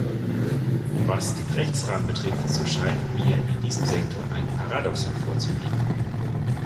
Was den Rechtsrahmen betrifft, so scheint mir in diesem Sektor ein Paradoxon vorzuliegen.